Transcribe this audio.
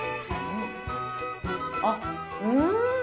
あっうん！